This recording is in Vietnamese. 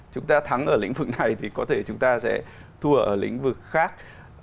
chúng ta thắng ở lĩnh vực này thì có thể chúng ta sẽ thua ở lĩnh vực khác